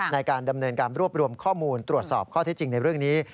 ในการดำเนินการรวบรวมข้อมูลตรวจสอบข้อเท็จจริงในเรื่องนี้